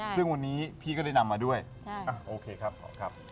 ซึ่งวันนี้พี่ก็ได้นำมาด้วยโอเคครับ